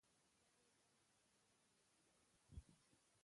یعنې دا د عاقلانو یو توافق دی.